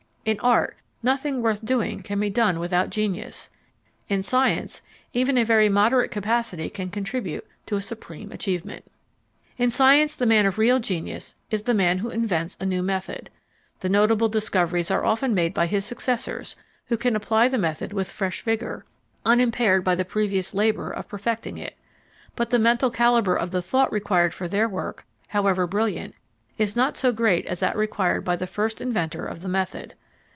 In art nothing worth doing can be done without genius; in science even a very moderate capacity can contribute to a supreme achievement. In science the man of real genius is the man who invents a new method. The notable discoveries are often made by his successors, who can apply the method with fresh vigour, unimpaired by the previous labour of perfecting it; but the mental calibre of the thought required for their work, however brilliant, is not so great as that required by the first inventor of the method.